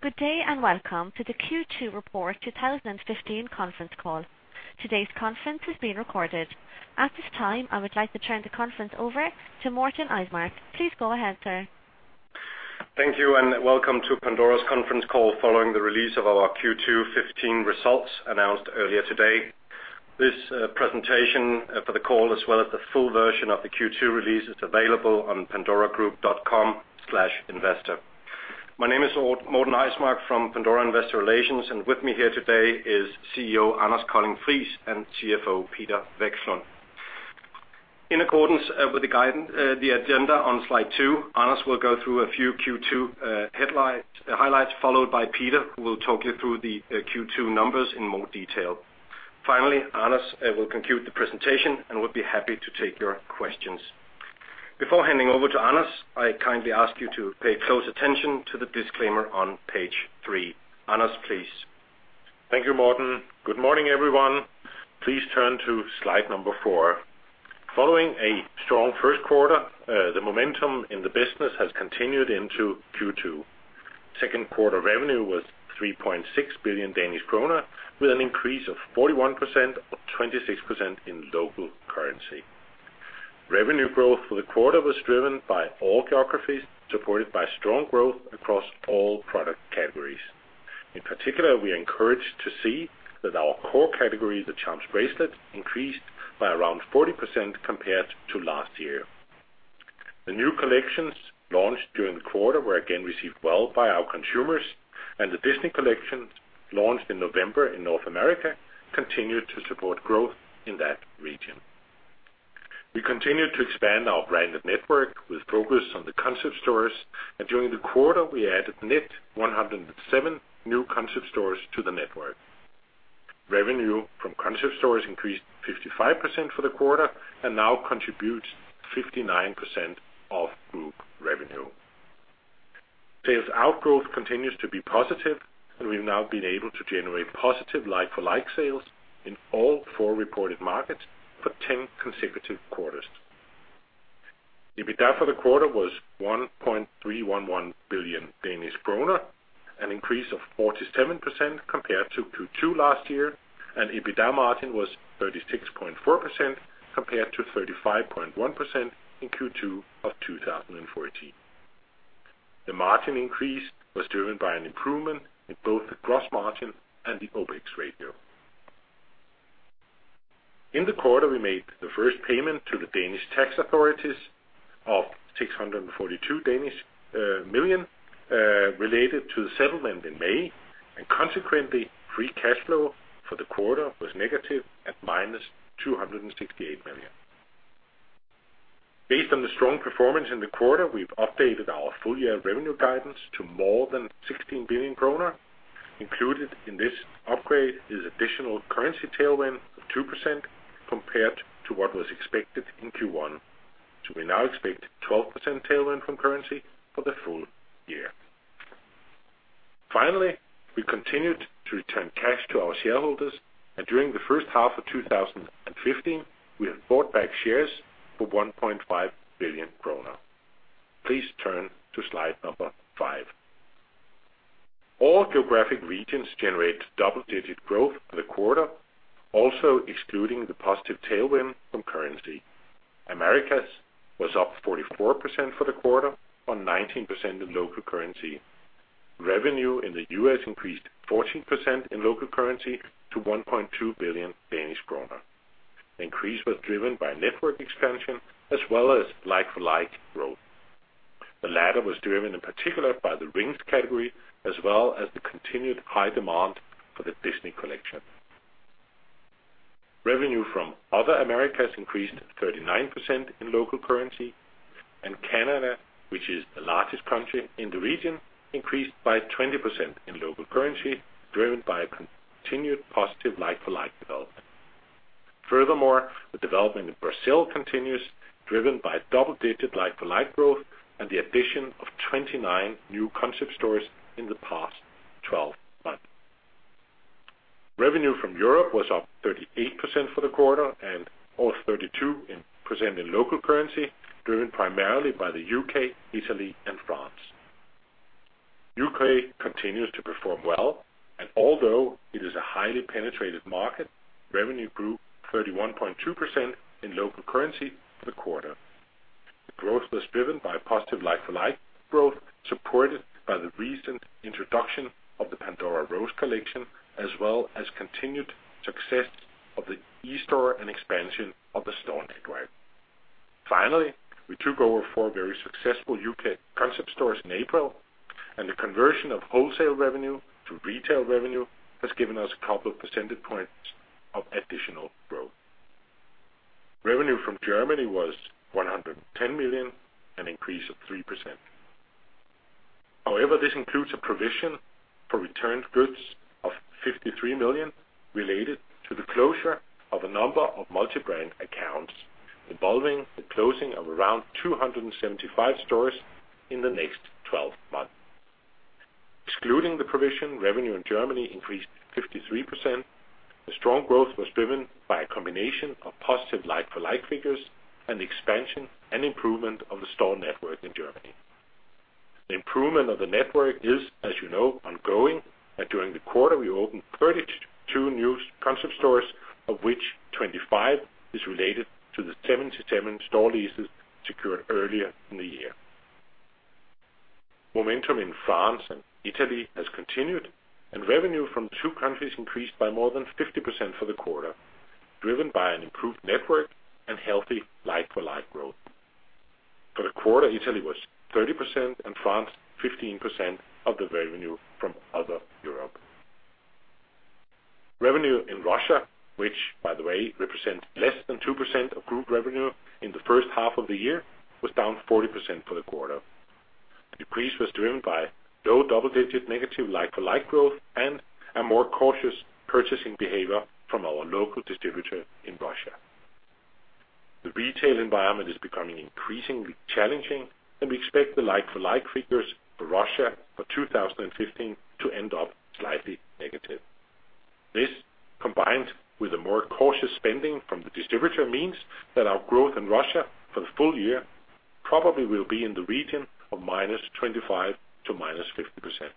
Good day, and welcome to the Q2 report 2015 conference call. Today's conference is being recorded. At this time, I would like to turn the conference over to Morten Eismark. Please go ahead, sir. Thank you, and welcome to Pandora's conference call following the release of our Q2 2015 results announced earlier today. This presentation for the call, as well as the full version of the Q2 release, is available on pandoragroup.com/investor. My name is Morten Eismark from Pandora Investor Relations, and with me here today is CEO Anders Colding Friis and CFO Peter Vekslund. In accordance with the guide, the agenda on slide two, Anders will go through a few Q2 highlights, followed by Peter, who will talk you through the Q2 numbers in more detail. Finally, Anders will conclude the presentation, and we'll be happy to take your questions. Before handing over to Anders, I kindly ask you to pay close attention to the disclaimer on page three. Anders, please. Thank you, Morten. Good morning, everyone. Please turn to slide number four. Following a strong first quarter, the momentum in the business has continued into Q2. Second quarter revenue was 3.6 billion Danish krone, with an increase of 41%, or 26% in local currency. Revenue growth for the quarter was driven by all geographies, supported by strong growth across all product categories. In particular, we are encouraged to see that our core category, the charms bracelet, increased by around 40% compared to last year. The new collections launched during the quarter were again received well by our consumers, and the Disney Collection, launched in November in North America, continued to support growth in that region. We continued to expand our branded network with focus on concept stores, and during the quarter, we added net 107 concept stores to the network. Revenue concept stores increased 55% for the quarter and now contributes 59% of group revenue. Sales-out growth continues to be positive, and we've now been able to generate positive like-for-like sales in all four reported markets for 10 consecutive quarters. EBITDA for the quarter was 1.311 billion Danish kroner, an increase of 47% compared to Q2 last year, and EBITDA margin was 36.4%, compared to 35.1% in Q2 of 2014. The margin increase was driven by an improvement in both the gross margin and the OpEx ratio. In the quarter, we made the first payment to the Danish tax authorities of 642 million related to the settlement in May, and consequently, free cash flow for the quarter was negative at -268 million. Based on the strong performance in the quarter, we've updated our full-year revenue guidance to more than 16 billion kroner. Included in this upgrade is additional currency tailwind of 2% compared to what was expected in Q1, so we now expect 12% tailwind from currency for the full year. Finally, we continued to return cash to our shareholders, and during the first half of 2015, we have bought back shares for 1.5 billion kroner. Please turn to slide number five. All geographic regions generated double-digit growth for the quarter, also excluding the positive tailwind from currency. Americas was up 44% for the quarter, on 19% in local currency. Revenue in the U.S. increased 14% in local currency to 1.2 billion Danish kroner. Increase was driven by network expansion as well as like-for-like growth. The latter was driven in particular by the rings category, as well as the continued high demand for the Disney Collection. Revenue from other Americas increased 39% in local currency, and Canada, which is the largest country in the region, increased by 20% in local currency, driven by a continued positive like-for-like development. Furthermore, the development in Brazil continues, driven by double-digit like-for-like growth and the addition of 29 concept stores in the past 12 months. Revenue from Europe was up 38% for the quarter and up 32% in local currency, driven primarily by the U.K., Italy, and France. U.K. continues to perform well, and although it is a highly penetrated market, revenue grew 31.2% in local currency for the quarter. The growth was driven by positive, like-for-like growth, supported by the recent introduction of the Pandora Rose collection, as well as continued success of the eStore and expansion of the store network. Finally, we took over four very successful concept stores in April, and the conversion of wholesale revenue to retail revenue has given us a couple of percentage points of additional growth. Revenue from Germany was 110 million, an increase of 3%. However, this includes a provision for returned goods of 53 million, related to the closure of a number of multi-brand accounts, involving the closing of around 275 stores in the next twelve months. Excluding the provision, revenue in Germany increased 53%. The strong growth was driven by a combination of positive like-for-like figures and the expansion and improvement of the store network in Germany. The improvement of the network is, as you know, ongoing, and during the quarter, we opened 32 concept stores, of which 25 is related to the 77 store leases secured earlier in the year. Momentum in France and Italy has continued, and revenue from the two countries increased by more than 50% for the quarter, driven by an improved network and healthy like-for-like growth. For the quarter, Italy was 30% and France 15% of the revenue from other Europe. Revenue in Russia, which by the way, represents less than 2% of group revenue in the first half of the year, was down 40% for the quarter. The decrease was driven by low double-digit negative like-for-like growth and a more cautious purchasing behavior from our local distributor in Russia. The retail environment is becoming increasingly challenging, and we expect the like-for-like figures for Russia for 2015 to end up slightly negative. This, combined with a more cautious spending from the distributor, means that our growth in Russia for the full year probably will be in the region of -25% to -50%.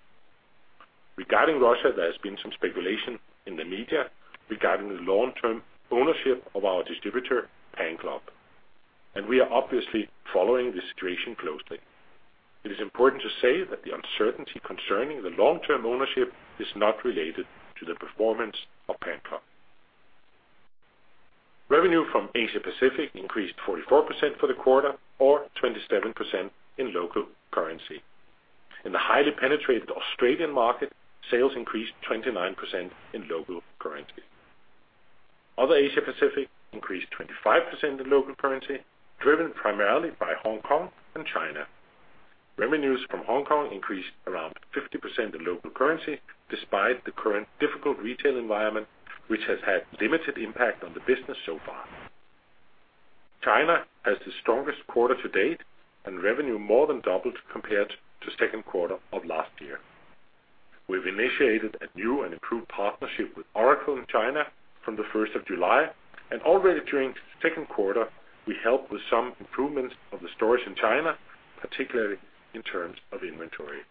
Regarding Russia, there has been some speculation in the media regarding the long-term ownership of our distributor, PanClub, and we are obviously following the situation closely. It is important to say that the uncertainty concerning the long-term ownership is not related to the performance of PanClub. Revenue from Asia Pacific increased 44% for the quarter, or 27% in local currency. In the highly penetrated Australian market, sales increased 29% in local currency. Other Asia Pacific increased 25% in local currency, driven primarily by Hong Kong and China. Revenues from Hong Kong increased around 50% in local currency, despite the current difficult retail environment, which has had limited impact on the business so far. China has the strongest quarter to date, and revenue more than doubled compared to second quarter of last year. We've initiated a new and improved partnership with Oracle in China from 1st July, and already during the second quarter, we helped with some improvements of the stores in China, particularly in terms of inventory.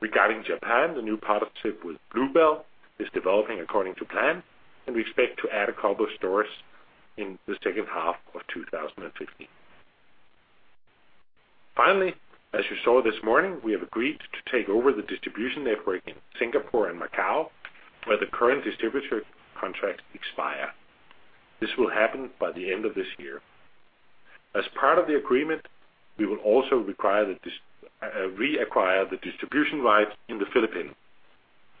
Regarding Japan, the new partnership with Bluebell is developing according to plan, and we expect to add a couple of stores in the second half of 2015. Finally, as you saw this morning, we have agreed to take over the distribution network in Singapore and Macau, where the current distributor contracts expire. This will happen by the end of this year. As part of the agreement, we will also reacquire the distribution rights in the Philippines.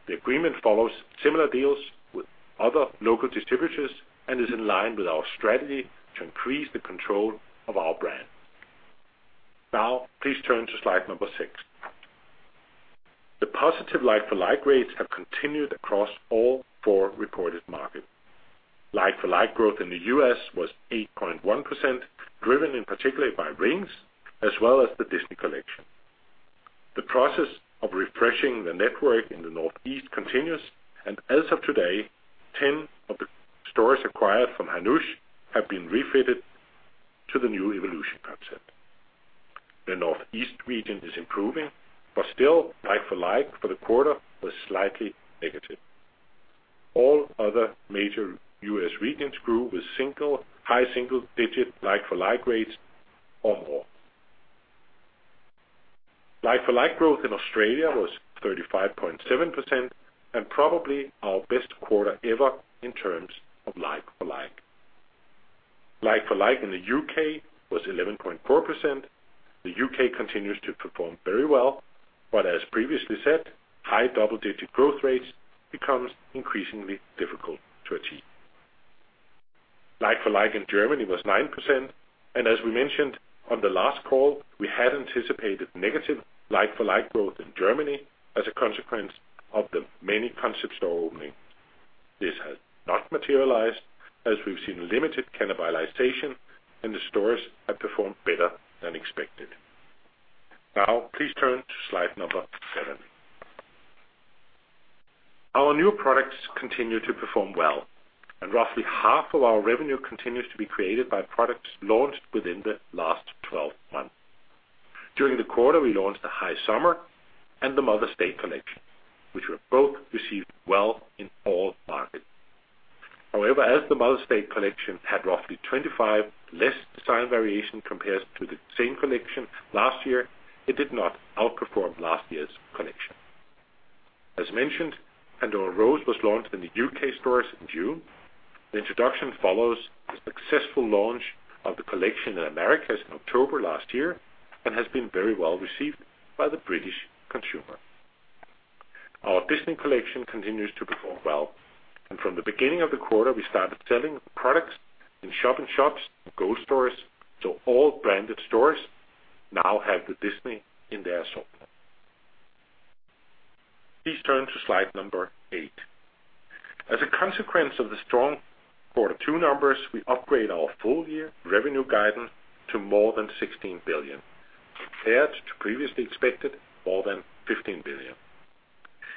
The agreement follows similar deals with other local distributors and is in line with our strategy to increase the control of our brand. Now, please turn to slide number six. The positive like-for-like rates have continued across all four reported markets. Like-for-like growth in the U.S. was 8.1%, driven in particular by rings as well as the Disney Collection. The process of refreshing the network in the Northeast continues, and as of today, 10 of the stores acquired from Hannoush have been refitted to the new Evolution Concept. The Northeast region is improving, but still, like-for-like for the quarter was slightly negative. All other major U.S. regions grew with single, high single-digit like-for-like rates or more. Like-for-like growth in Australia was 35.7%, and probably our best quarter ever in terms of like-for-like. Like-for-like in the U.K. was 11.4%. The U.K. continues to perform very well, but as previously said, high double-digit growth rates becomes increasingly difficult to achieve. Like-for-like in Germany was 9%, and as we mentioned on the last call, we had anticipated negative like-for-like growth in Germany as a consequence of the many concept store openings. This has not materialized, as we've seen limited cannibalization, and the stores have performed better than expected. Now, please turn to slide number seven. Our new products continue to perform well, and roughly half of our revenue continues to be created by products launched within the last twelve months. During the quarter, we launched the High Summer and the Mother's Day collection, which were both received well in all markets. However, as the Mother's Day collection had roughly 25 less design variation compared to the same collection last year, it did not outperform last year's collection. As mentioned, Pandora Rose was launched in the U.K. stores in June. The introduction follows the successful launch of the collection in Americas in October last year and has been very well received by the British consumer. Our Disney collection continues to perform well, and from the beginning of the quarter, we started selling products in shop-in-shops and O&O stores. So all branded stores now have the Disney in their assortment. Please turn to slide number eight. As a consequence of the strong quarter two numbers, we upgrade our full-year revenue guidance to more than 16 billion, compared to previously expected more than 15 billion.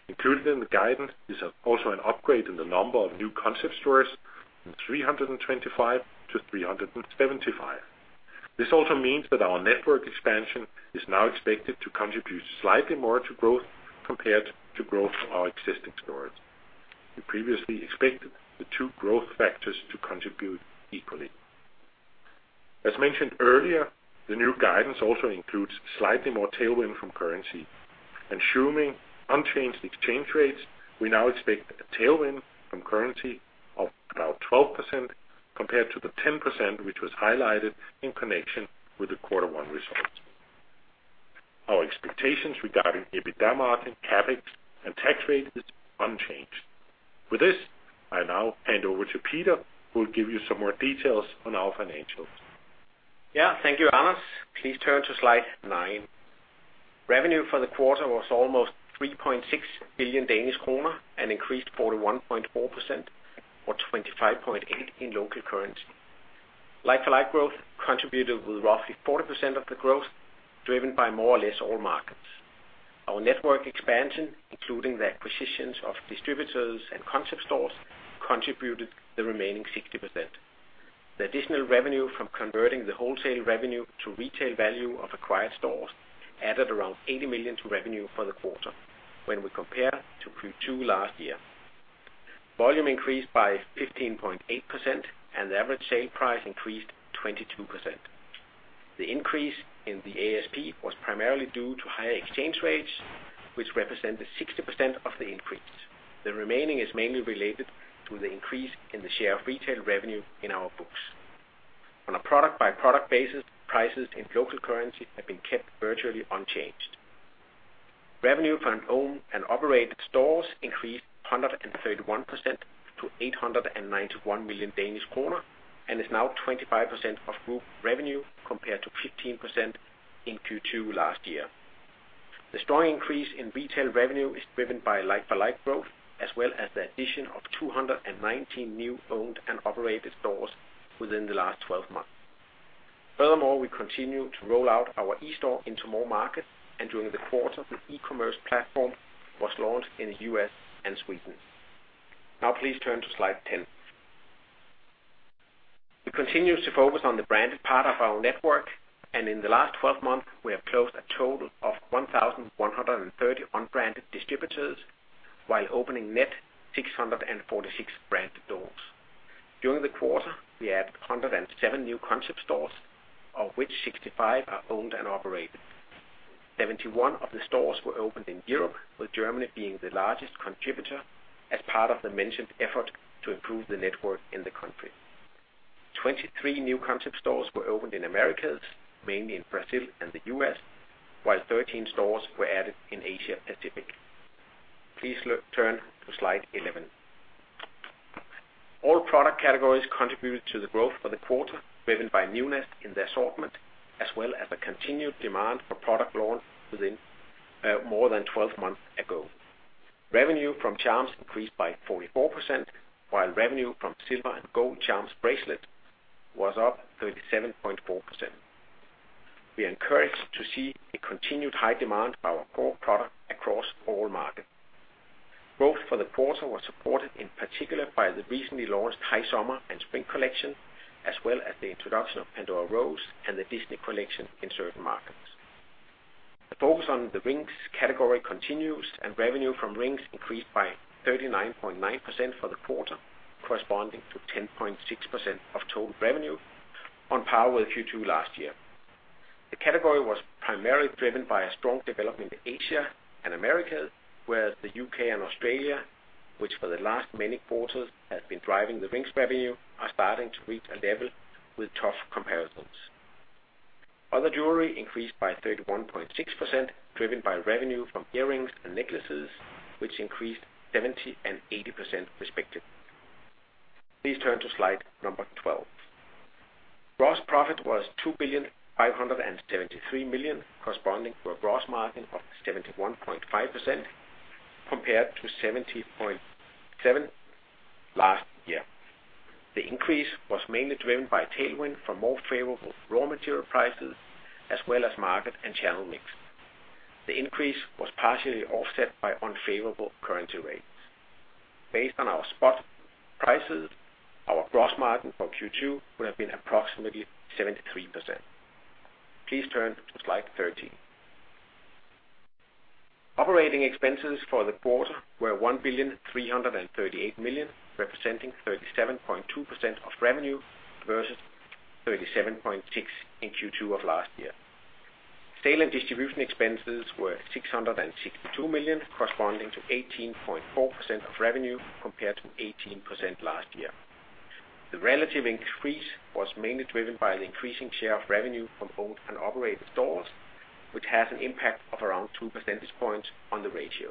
Included in the guidance is also an upgrade in the number of concept stores from 325 to 375. This also means that our network expansion is now expected to contribute slightly more to growth compared to growth of our existing stores. We previously expected the two growth factors to contribute equally. As mentioned earlier, the new guidance also includes slightly more tailwind from currency. Assuming unchanged exchange rates, we now expect a tailwind from currency of about 12% compared to the 10%, which was highlighted in connection with the quarter one results. Our expectations regarding EBITDA margin, CapEx, and tax rate is unchanged. With this, I now hand over to Peter, who will give you some more details on our financials. Yeah, thank you, Anders. Please turn to slide nine. Revenue for the quarter was almost 3.6 billion Danish kroner and increased 41.4% or 25.8% in local currency. Like-for-like growth contributed with roughly 40% of the growth, driven by more or less all markets. Our network expansion, including the acquisitions of distributors concept stores, contributed the remaining 60%. The additional revenue from converting the wholesale revenue to retail value of acquired stores added around 80 million to revenue for the quarter, when we compare to Q2 last year. Volume increased by 15.8%, and the average sale price increased 22%. The increase in the ASP was primarily due to higher exchange rates, which represented 60% of the increase. The remaining is mainly related to the increase in the share of retail revenue in our books. On a product-by-product basis, prices in local currency have been kept virtually unchanged. Revenue from owned and operated stores increased 131% to 891 million Danish kroner, and is now 25% of group revenue, compared to 15% in Q2 last year. The strong increase in retail revenue is driven by like-for-like growth, as well as the addition of 219 new owned and operated stores within the last 12 months. Furthermore, we continue to roll out our e-store into more markets, and during the quarter, the e-commerce platform was launched in the U.S. and Sweden. Now, please turn to slide 10. We continue to focus on the branded part of our network, and in the last 12 months, we have closed a total of 1,130 unbranded distributors, while opening net 646 branded stores. During the quarter, we added 107 concept stores, of which 65 are owned and operated. 71 of the stores were opened in Europe, with Germany being the largest contributor as part of the mentioned effort to improve the network in the country. 23 concept stores were opened in Americas, mainly in Brazil and the U.S, while 13 stores were added in Asia Pacific. Please turn to slide 11. All product categories contributed to the growth for the quarter, driven by newness in the assortment, as well as the continued demand for product launch within more than 12 months ago. Revenue from charms increased by 44%, while revenue from silver and gold charms bracelet was up 37.4%. We are encouraged to see a continued high demand for our core product across all markets. Growth for the quarter was supported, in particular, by the recently launched High Summer and Spring Collection, as well as the introduction of Pandora Rose and the Disney Collection in certain markets. The focus on the rings category continues, and revenue from rings increased by 39.9% for the quarter, corresponding to 10.6% of total revenue on par with Q2 last year. The category was primarily driven by a strong development in Asia and Americas, whereas the U.K. and Australia, which for the last many quarters has been driving the rings revenue, are starting to reach a level with tough comparisons. Other jewelry increased by 31.6%, driven by revenue from earrings and necklaces, which increased 70% and 80%, respectively. Please turn to slide number 12. Gross profit was 2,573 million, corresponding to a gross margin of 71.5%, compared to 70.7% last year. The increase was mainly driven by tailwind from more favorable raw material prices, as well as market and channel mix. The increase was partially offset by unfavorable currency rates. Based on our spot prices, our gross margin for Q2 would have been approximately 73%. Please turn to slide 13. Operating expenses for the quarter were 1,338 million, representing 37.2% of revenue versus 37.6% in Q2 of last year. Sale and distribution expenses were 662 million, corresponding to 18.4% of revenue, compared to 18% last year. The relative increase was mainly driven by the increasing share of revenue from owned and operated stores, which has an impact of around 2 percentage points on the ratio.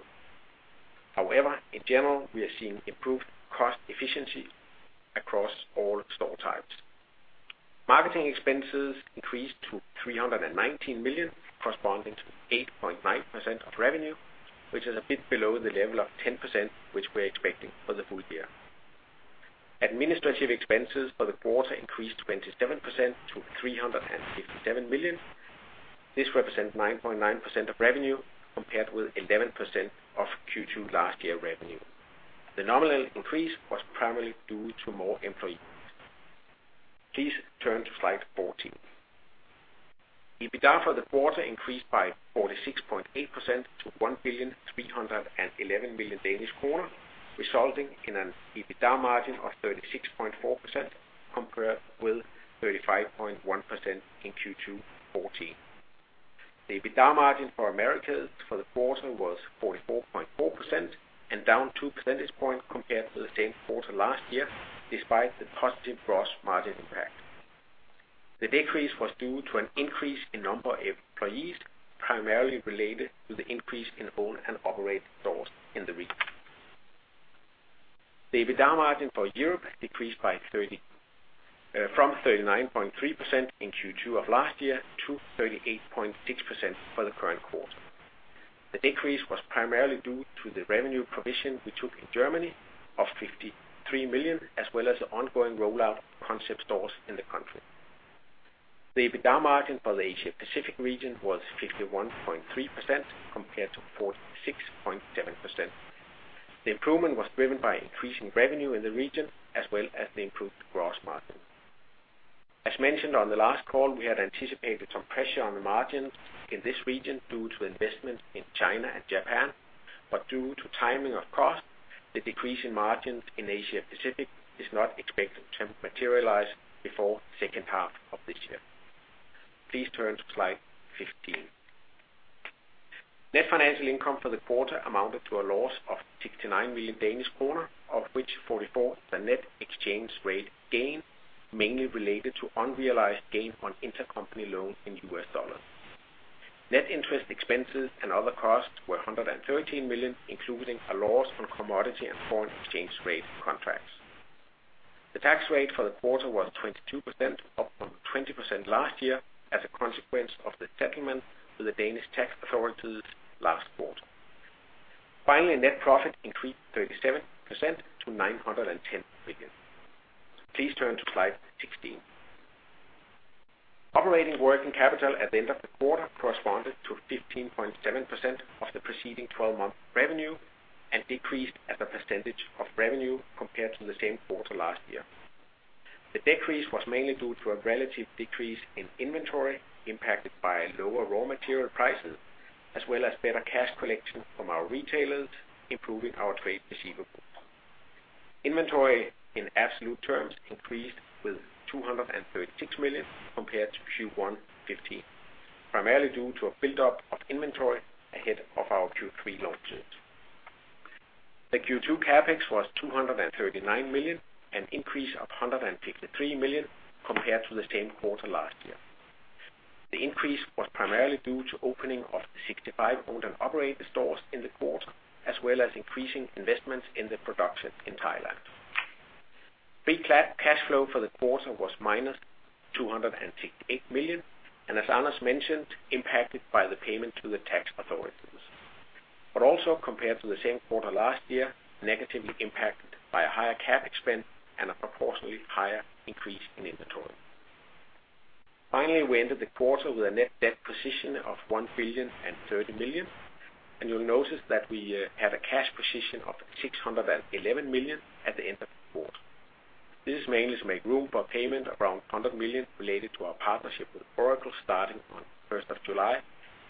However, in general, we are seeing improved cost efficiency across all store types. Marketing expenses increased to 319 million, corresponding to 8.9% of revenue, which is a bit below the level of 10%, which we're expecting for the full year. Administrative expenses for the quarter increased 27% to 357 million. This represents 9.9% of revenue, compared with 11% of Q2 last year revenue. The nominal increase was primarily due to more employees. Please turn to slide 14. EBITDA for the quarter increased by 46.8% to 1,311 million Danish kroner, resulting in an EBITDA margin of 36.4%, compared with 35.1% in Q2 2014. The EBITDA margin for Americas for the quarter was 44.4% and down 2 percentage points compared to the same quarter last year, despite the positive gross margin impact. The decrease was due to an increase in number of employees, primarily related to the increase in owned and operated stores in the region. The EBITDA margin for Europe decreased from 39.3% in Q2 of last year to 38.6% for the current quarter. The decrease was primarily due to the revenue provision we took in Germany of 53 million, as well as the ongoing rollout concept stores in the country. The EBITDA margin for the Asia Pacific region was 51.3%, compared to 46.7%. The improvement was driven by increasing revenue in the region, as well as the improved gross margin. As mentioned on the last call, we had anticipated some pressure on the margins in this region due to investments in China and Japan, but due to timing of costs, the decrease in margins in Asia Pacific is not expected to materialize before the second half of this year. Please turn to slide 15. Net financial income for the quarter amounted to a loss of 69 million Danish kroner, of which 44, the net exchange rate gain, mainly related to unrealized gain on intercompany loans in U.S. dollars. Net interest expenses and other costs were 113 million, including a loss on commodity and foreign exchange rate contracts. The tax rate for the quarter was 22%, up from 20% last year, as a consequence of the settlement with the Danish tax authorities last quarter. Finally, net profit increased 37% to 910 million. Please turn to slide 16. Operating working capital at the end of the quarter corresponded to 15.7% of the preceding 12-month revenue and decreased as a percentage of revenue compared to the same quarter last year. The decrease was mainly due to a relative decrease in inventory impacted by lower raw material prices, as well as better cash collection from our retailers, improving our trade receivables. Inventory, in absolute terms, increased with 236 million compared to Q1 2015, primarily due to a buildup of inventory ahead of our Q3 launches. The Q2 CapEx was 239 million, an increase of 153 million compared to the same quarter last year. The increase was primarily due to opening of 65 owned and operated stores in the quarter, as well as increasing investments in the production in Thailand. Free cash flow for the quarter was -268 million, and as Anders mentioned, impacted by the payment to the tax authorities, but also compared to the same quarter last year, negatively impacted by a higher CapEx spend and a proportionally higher increase in inventory. Finally, we ended the quarter with a net debt position of 1.03 billion, and you'll notice that we have a cash position of 611 million at the end of the quarter. This is mainly to make room for payments around 100 million related to our partnership with Oracle starting on 1st July,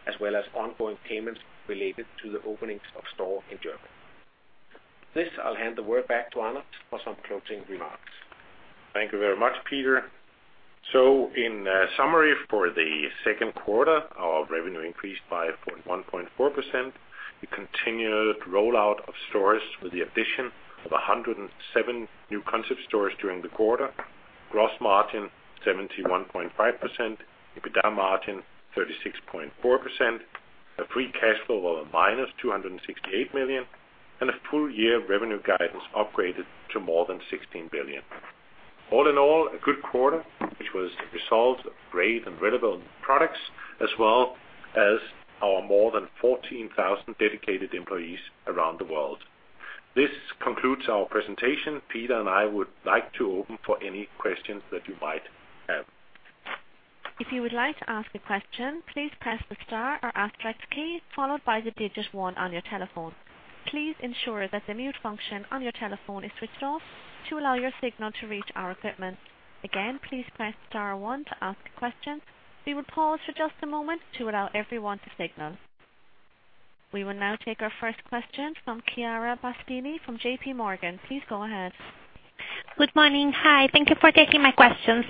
as well as ongoing payments related to the openings of stores in Germany. With this, I'll hand the word back to Anders for some closing remarks. Thank you very much, Peter. In summary, for the second quarter, our revenue increased by 1.4%. We continued rollout of stores with the addition of 107 concept stores during the quarter. Gross margin, 71.5%. EBITDA margin, 36.4%. A free cash flow of -268 million. And a full-year revenue guidance upgraded to more than 16 billion. All in all, a good quarter, which was a result of great and relevant products, as well as our more than 14,000 dedicated employees around the world. This concludes our presentation. Peter and I would like to open for any questions that you might have. If you would like to ask a question, please press the star or asterisk key, followed by the digit 1 on your telephone. Please ensure that the mute function on your telephone is switched off to allow your signal to reach our equipment. Again, please press star 1 to ask a question. We will pause for just a moment to allow everyone to signal. We will now take our first question from Chiara Battistini from JPMorgan. Please go ahead. Good morning. Hi, thank you for taking my questions.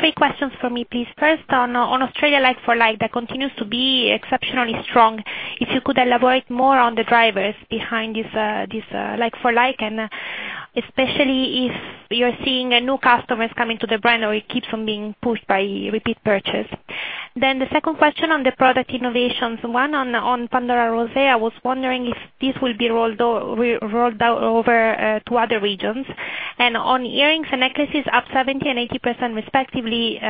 Three questions for me, please. First, on Australia, like-for-like, that continues to be exceptionally strong. If you could elaborate more on the drivers behind this like-for-like, and especially if you're seeing new customers coming to the brand or it keeps on being pushed by repeat purchase. Then the second question on the product innovations, one on Pandora Rose. I was wondering if this will be rolled out over to other regions. And on earrings and necklaces, up 70% and 80%, respectively,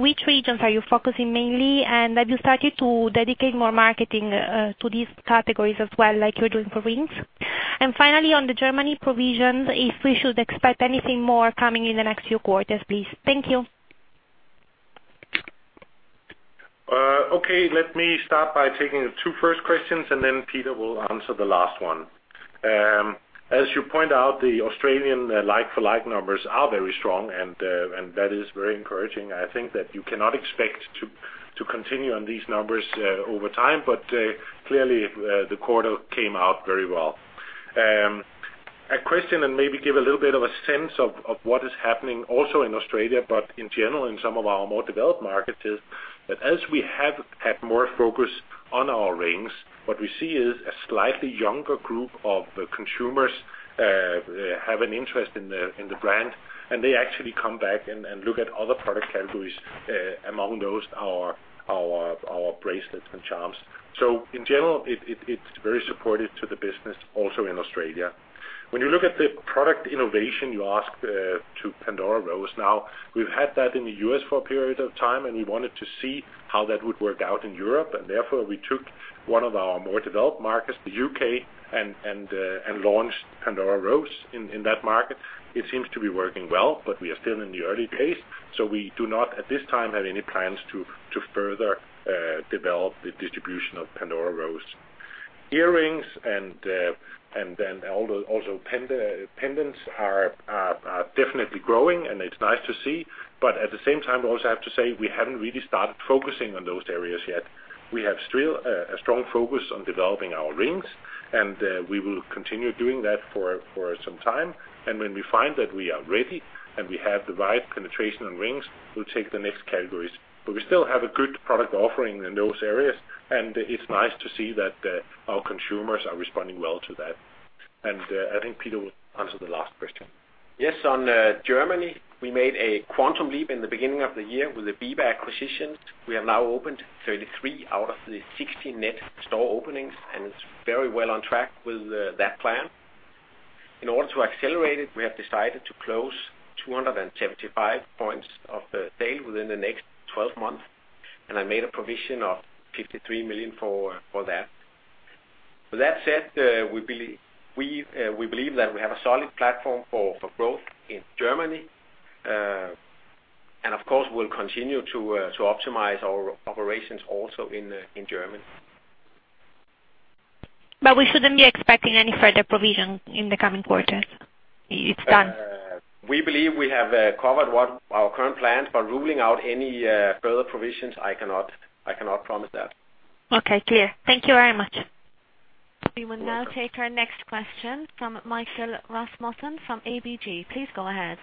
which regions are you focusing mainly? And have you started to dedicate more marketing to these categories as well, like you're doing for rings? And finally, on the Germany provisions, if we should expect anything more coming in the next few quarters, please. Thank you. Okay, let me start by taking the two first questions, and then Peter will answer the last one. As you point out, the Australian like-for-like numbers are very strong, and that is very encouraging. I think that you cannot expect to continue on these numbers over time, but clearly the quarter came out very well. A question, and maybe give a little bit of a sense of what is happening also in Australia, but in general, in some of our more developed markets, is that as we have had more focus on our rings, what we see is a slightly younger group of consumers have an interest in the brand, and they actually come back and look at other product categories. Among those are our bracelets and charms. So in general, it's very supportive to the business also in Australia. When you look at the product innovation, you ask to Pandora Rose, now we've had that in the U.S. for a period of time, and we wanted to see how that would work out in Europe, and therefore, we took one of our more developed markets, the U.K., and launched Pandora Rose in that market. It seems to be working well, but we are still in the early days, so we do not, at this time, have any plans to further develop the distribution of Pandora Rose. Earrings and then also pendants are definitely growing, and it's nice to see. But at the same time, we also have to say we haven't really started focusing on those areas yet. We have still a strong focus on developing our rings, and we will continue doing that for some time, and when we find that we are ready, and we have the right penetration on rings, we'll take the next categories. But we still have a good product offering in those areas, and it's nice to see that our consumers are responding well to that. And I think Peter will answer the last question. Yes, on Germany, we made a quantum leap in the beginning of the year with the Biba acquisition. We have now opened 33 out of the 60 net store openings, and it's very well on track with that plan. In order to accelerate it, we have decided to close 275 points of sale within the next 12 months, and I made a provision of 53 million for that. With that said, we believe that we have a solid platform for growth in Germany. And of course, we'll continue to optimize our operations also in Germany. We shouldn't be expecting any further provision in the coming quarters? It's done. We believe we have covered what our current plans, but ruling out any further provisions, I cannot promise that. Okay, clear. Thank you very much. We will now take our next question from Michael Rasmussen from ABG. Please go ahead.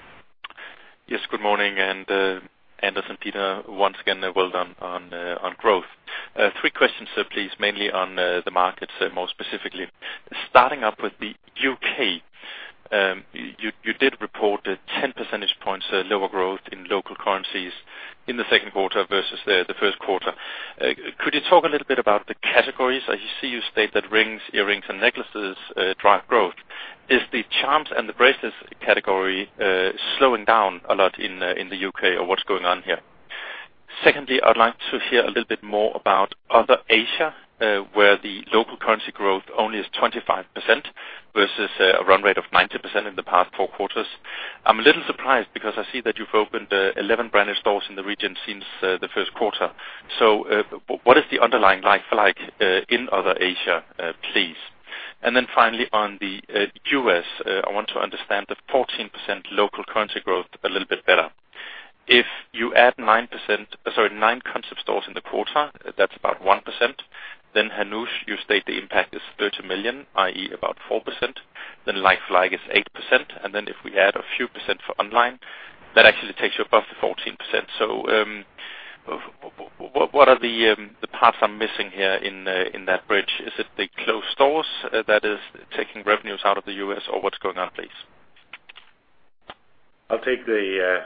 Yes, good morning, and Anders and Peter, once again, well done on growth. Three questions, so please, mainly on the markets, more specifically. Starting with the U.K., you did report 10 percentage points lower growth in local currencies in the second quarter versus the first quarter. Could you talk a little bit about the categories? I see you state that rings, earrings, and necklaces drive growth. Is the charms and the bracelets category slowing down a lot in the U.K., or what's going on here? Secondly, I'd like to hear a little bit more about other Asia, where the local currency growth only is 25% versus a run rate of 90% in the past four quarters. I'm a little surprised because I see that you've opened 11 branded stores in the region since the first quarter. So, what is the underlying like-for-like in other Asia, please? And then finally, on the U.S., I want to understand the 14% local currency growth a little bit better. If you add 9%, sorry, concept stores in the quarter, that's about 1%, then Hannoush, you state the impact is 30 million, i.e., about 4%, then like-for-like is 8%, and then if we add a few percent for online, that actually takes you above the 14%. So, what are the parts I'm missing here in that bridge? Is it the closed stores that is taking revenues out of the U.S., or what's going on, please? I'll take the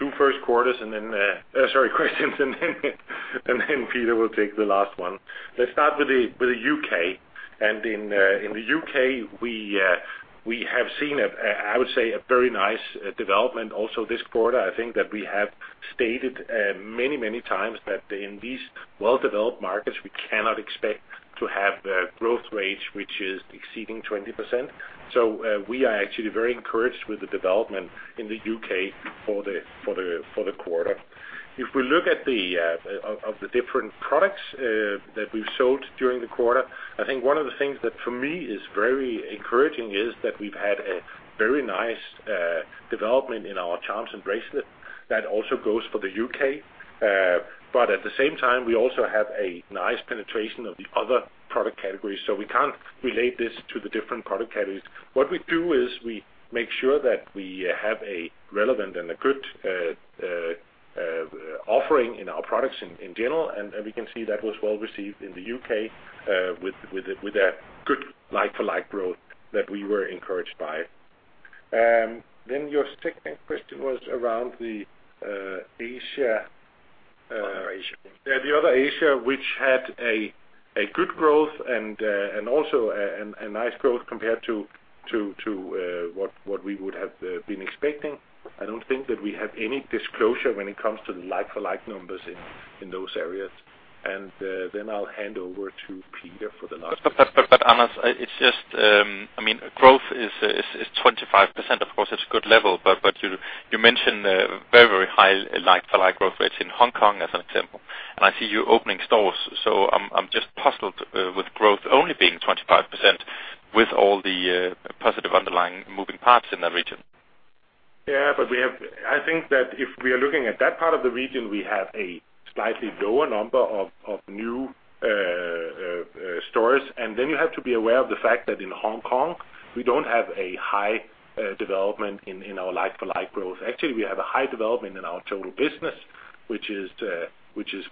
two first quarters and then, sorry, questions, and then Peter will take the last one. Let's start with the U.K.. In the U.K., we have seen a, I would say, a very nice development also this quarter. I think that we have stated many, many times that in these well-developed markets, we cannot expect to have a growth rate which is exceeding 20%. So, we are actually very encouraged with the development in the U.K. for the quarter. If we look at the different products that we've sold during the quarter, I think one of the things that for me is very encouraging is that we've had a very nice development in our charms and bracelets. That also goes for the U.K.. But at the same time, we also have a nice penetration of the other product categories, so we can't relate this to the different product categories. What we do is we make sure that we have a relevant and a good offering in our products in general, and we can see that was well received in the U.K. with a good like-for-like growth that we were encouraged by. Then your second question was around the Asia- Other Asia. Yeah, the other Asia, which had a good growth and also a nice growth compared to what we would have been expecting. I don't think that we have any disclosure when it comes to the like-for-like numbers in those areas... And then I'll hand over to Peter for the last- But, Anders, it's just, I mean, growth is 25%. Of course, it's a good level, but you mentioned very high like-for-like growth rates in Hong Kong, as an example, and I see you opening stores. So I'm just puzzled with growth only being 25%, with all the positive underlying moving parts in the region. Yeah, but we have—I think that if we are looking at that part of the region, we have a slightly lower number of new stores. And then you have to be aware of the fact that in Hong Kong, we don't have a high development in our like-for-like growth. Actually, we have a high development in our total business, which is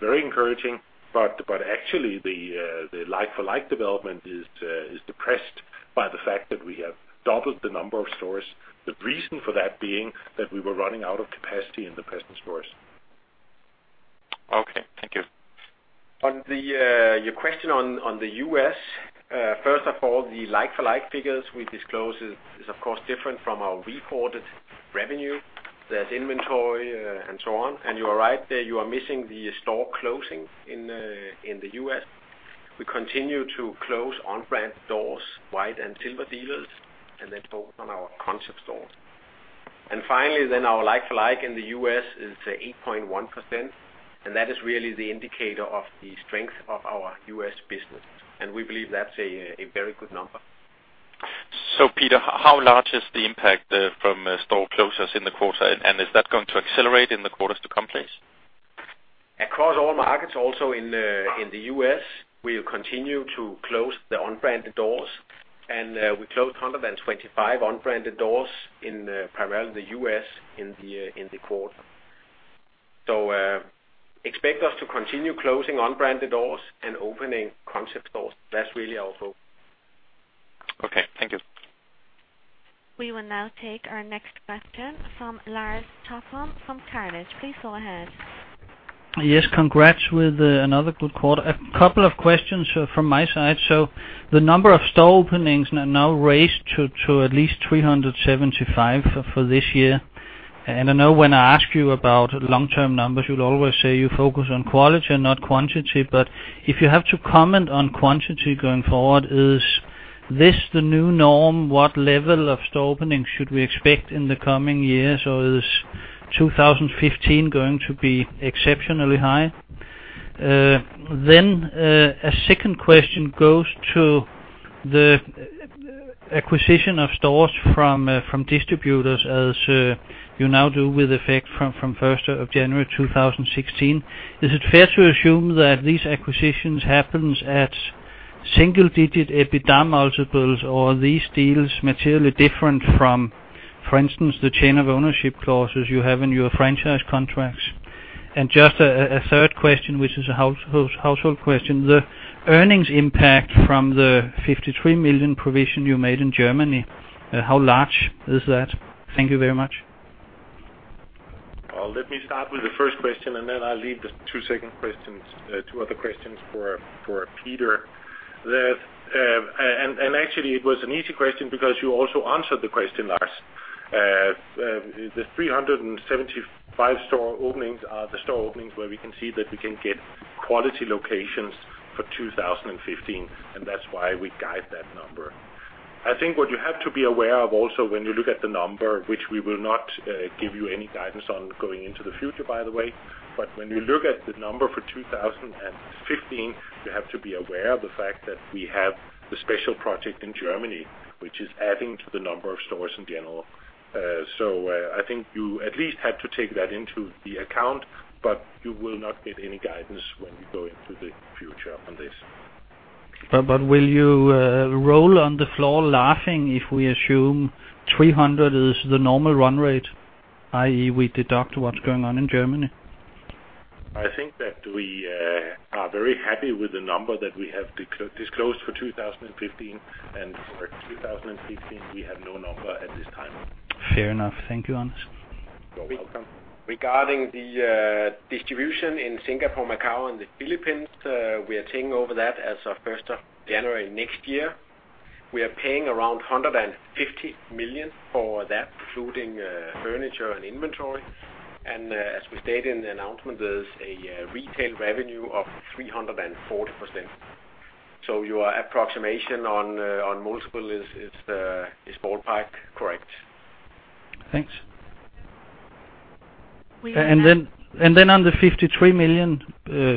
very encouraging. But actually, the like-for-like development is depressed by the fact that we have doubled the number of stores. The reason for that being that we were running out of capacity in the present stores. Okay, thank you. On your question on the U.S. First of all, the like-for-like figures we disclose is of course different from our reported revenue. There's inventory and so on. And you are right, you are missing the store closing in the U.S. We continue to close unbranded stores, white and silver dealers, and then focus on concept stores. and finally, then our like-for-like in the U.S. is 8.1%, and that is really the indicator of the strength of our U.S. business, and we believe that's a very good number. Peter, how large is the impact from store closures in the quarter, and is that going to accelerate in the quarters to come, please? Across all markets, also in the, in the U.S., we continue to close the unbranded doors, and, we closed 125 unbranded doors in, primarily the U.S., in the, in the quarter. So, expect us to continue closing unbranded doors and concept stores. that's really our hope. Okay, thank you. We will now take our next question from Lars Topholm from Carnegie. Please go ahead. Yes, congrats with another good quarter. A couple of questions from my side. So the number of store openings are now raised to at least 375 for this year. And I know when I ask you about long-term numbers, you'll always say you focus on quality and not quantity. But if you have to comment on quantity going forward, is this the new norm? What level of store opening should we expect in the coming years, or is 2015 going to be exceptionally high? Then, a second question goes to the acquisition of stores from distributors, as you now do with effect from 1st January, 2016. Is it fair to assume that these acquisitions happens at single digit EBITDA multiples, or are these deals materially different from, for instance, the chain of ownership clauses you have in your franchise contracts? Just a, a third question, which is a household, household question. The earnings impact from the 53 million provision you made in Germany, how large is that? Thank you very much. Well, let me start with the first question, and then I'll leave the two other questions for Peter. And actually, it was an easy question because you also answered the question, Lars. The 375 store openings are the store openings where we can see that we can get quality locations for 2015, and that's why we guide that number. I think what you have to be aware of also, when you look at the number, which we will not give you any guidance on going into the future, by the way, but when you look at the number for 2015, you have to be aware of the fact that we have the special project in Germany, which is adding to the number of stores in general. So, I think you at least have to take that into account, but you will not get any guidance when you go into the future on this. But will you roll on the floor laughing if we assume 300 is the normal run rate, i.e., we deduct what's going on in Germany? I think that we are very happy with the number that we have disclosed for 2015, and for 2016, we have no number at this time. Fair enough. Thank you, Anders. You're welcome. Regarding the distribution in Singapore, Macau, and the Philippines, we are taking over that as of first of January next year. We are paying around 150 million for that, including furniture and inventory. And as we stated in the announcement, there's a retail revenue of 340 million. So your approximation on multiple is ballpark, correct. Thanks. We will now- And then, and then on the 53 million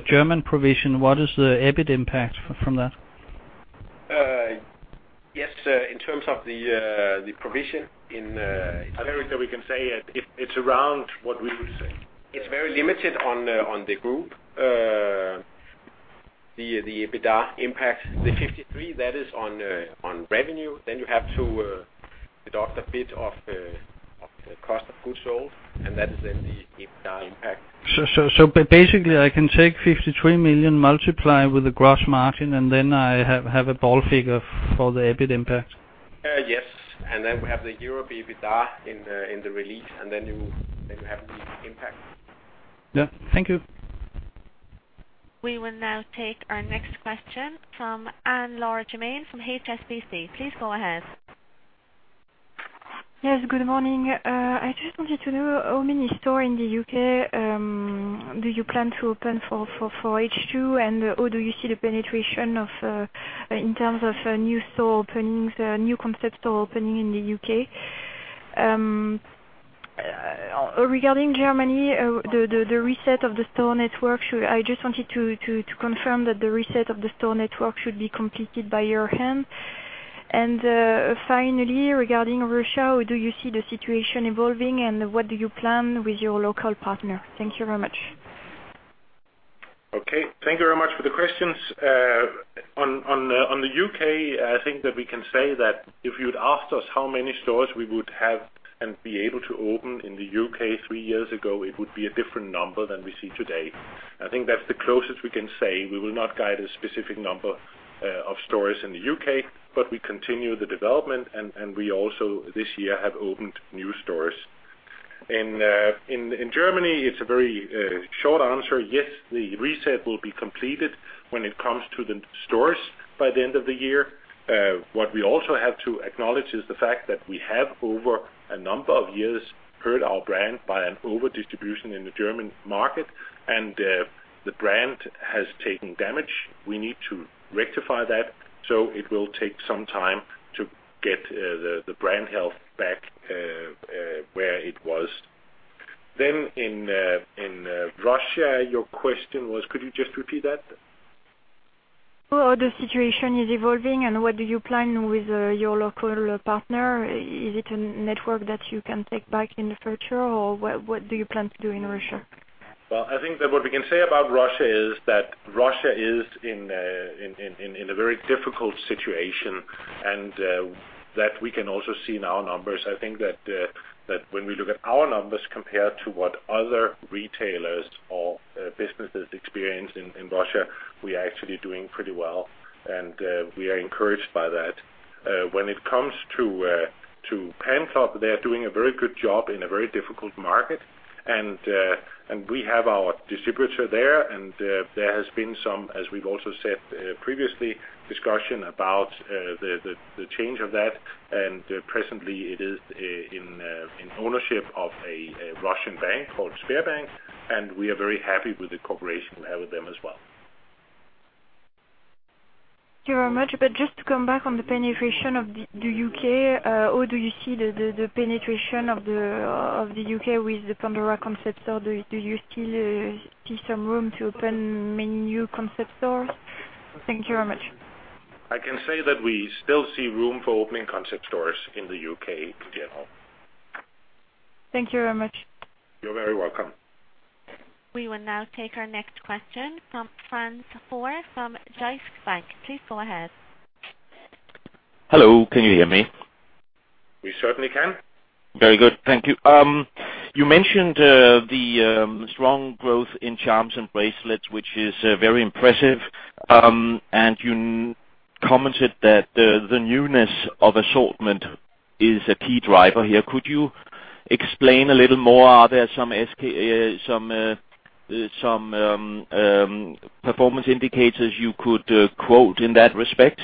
German provision, what is the EBIT impact from that? Yes, in terms of the, the provision in,... I think that we can say it, it's around what we would say. It's very limited on the group. The EBITDA impact, the 53, that is on revenue, then you have to deduct a bit of the cost of goods sold, and that is then the EBITDA impact. So basically, I can take 53 million, multiply with the gross margin, and then I have a ball figure for the EBIT impact? Yes, and then we have the Europe EBITDA in the, in the release, and then you, then you have the impact. Yeah. Thank you. We will now take our next question from Anne-Laure Bulliard from HSBC. Please go ahead. Yes, good morning. I just wanted to know how many stores in the U.K. do you plan to open for H2? And, how do you see the penetration of, in terms of, new store openings, new concept store openings in the U.K.? Regarding Germany, the reset of the store network, should it be completed by year end? I just wanted to confirm that the reset of the store network should be completed by year end. And, finally, regarding Russia, how do you see the situation evolving, and what do you plan with your local partner? Thank you very much. Okay, thank you very much for the questions. On the U.K., I think that we can say that if you'd asked us how many stores we would have and be able to open in the U.K. three years ago, it would be a different number than we see today. I think that's the closest we can say. We will not guide a specific number of stores in the U.K., but we continue the development, and we also, this year, have opened new stores. In Germany, it's a very short answer: Yes, the reset will be completed when it comes to the stores by the end of the year. What we also have to acknowledge is the fact that we have, over a number of years, hurt our brand by an overdistribution in the German market, and the brand has taken damage. We need to rectify that, so it will take some time to get the brand health back where it was. Then in Russia, your question was? Could you just repeat that? Well, how the situation is evolving, and what do you plan with, your local, partner? Is it a network that you can take back in the future, or what, what do you plan to do in Russia? Well, I think that what we can say about Russia is that Russia is in a very difficult situation, and that we can also see in our numbers. I think that when we look at our numbers, compared to what other retailers or businesses experience in Russia, we are actually doing pretty well, and we are encouraged by that. When it comes to Pandora, they are doing a very good job in a very difficult market. We have our distributor there, and there has been some, as we've also said previously, discussion about the change of that. Presently, it is in ownership of a Russian bank called Sberbank, and we are very happy with the cooperation we have with them as well. Thank you very much. Just to come back on the penetration of the U.K., how do you see the penetration of the U.K. with the Pandora Concept Store? Do you still see some room to open many concept stores? thank you very much. I can say that we still see room for concept stores in the U.K. in general. Thank you very much. You're very welcome. We will now take our next question from Frans Hoyer from Jyske Bank. Please go ahead. Hello, can you hear me? We certainly can. Very good. Thank you. You mentioned the strong growth in charms and bracelets, which is very impressive, and you commented that the newness of assortment is a key driver here. Could you explain a little more? Are there some performance indicators you could quote in that respect?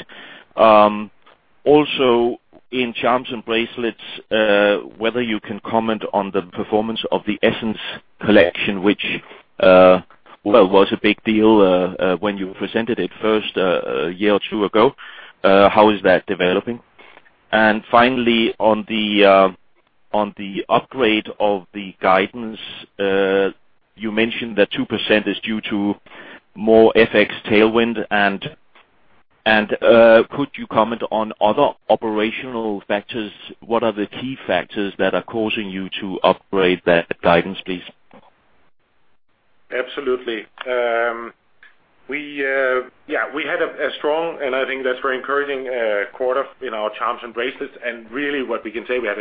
Also, in charms and bracelets, whether you can comment on the performance of the Essence Collection, which well was a big deal when you presented it first a year or two ago. How is that developing? And finally, on the upgrade of the guidance, you mentioned that 2% is due to more FX tailwind, and could you comment on other operational factors? What are the key factors that are causing you to upgrade that guidance, please? Absolutely. We, yeah, we had a strong, and I think that's very encouraging, quarter in our charms and bracelets. And really, what we can say, we had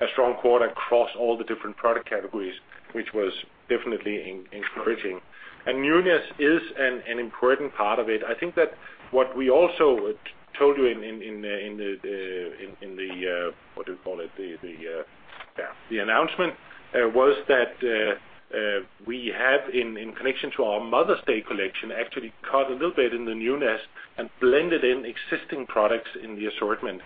a strong quarter across all the different product categories, which was definitely encouraging. And newness is an important part of it. I think that what we also told you in the what do you call it, the yeah the announcement was that we had in connection to our Mother's Day Collection, actually cut a little bit in the newness and blended in existing products in the assortment.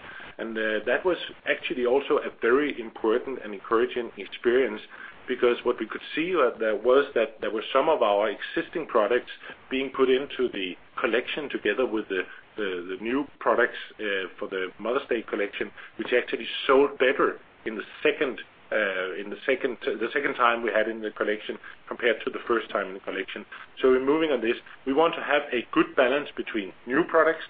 That was actually also a very important and encouraging experience, because what we could see there was that there were some of our existing products being put into the collection together with the new products for the Mother's Day Collection, which actually sold better in the second time we had in the collection, compared to the first time in the collection. So we're moving on this. We want to have a good balance between new products